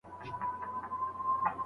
د کلتوري اړیکو پراختیا تفاهم رامنځته کوي.